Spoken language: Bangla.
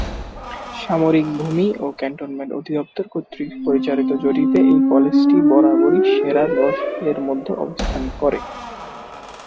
সামরিক ভূমি ও ক্যান্টনমেন্ট অধিদপ্তর কর্তৃক পরিচালিত জরিপে এই কলেজটি বরাবরই সেরা দশ এর মধ্যে অবস্থান করে।